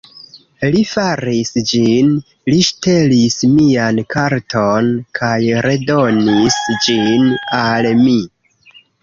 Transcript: Li faris ĝin, li ŝtelis mian karton kaj redonis ĝin al mi